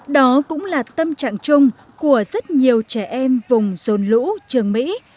đó cũng là tâm trạng chung của rất nhiều trẻ em vùng dồn lũ trường mỹ